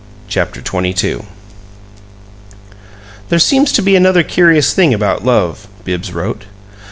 CHAPTER XXII There seems to be another curious thing about Love [Bibbs wrote].